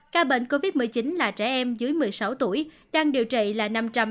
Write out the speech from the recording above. ca bệnh covid một mươi chín là trẻ em dưới một mươi sáu tuổi đang điều trị là năm trăm bảy mươi